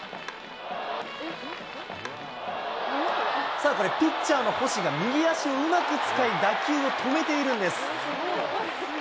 さあ、これ、ピッチャーの星が右足をうまく使い、打球を止めているんです。